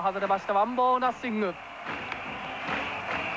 ワンボールナッシング。